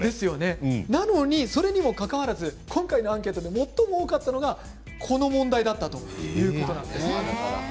それにもかかわらず今回のアンケートで最も多かったのがこの問題だったんです。